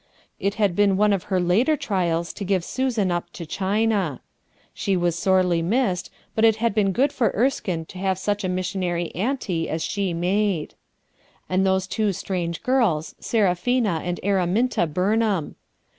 It had been one of her later trials to give Susan up to China She was sorely missed, but it had been good for Erskinc to have such a mis G RUTH ERSKINE'3 SON sionary Auntio as she made And those two strange girls Seraphina and Araminta Burnham.